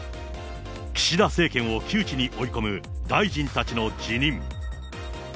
岸田政権を窮地に追い込む大臣たちの辞任。